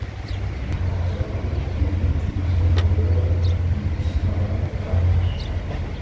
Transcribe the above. Le porte-drapeau du pays est le snowboarder Lluis Marin Tarroch.